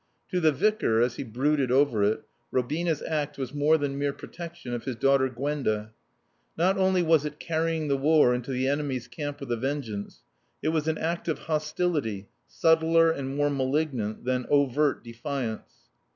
To the Vicar, as he brooded over it, Robina's act was more than mere protection of his daughter Gwenda. Not only was it carrying the war into the enemy's camp with a vengeance, it was an act of hostility subtler and more malignant than overt defiance.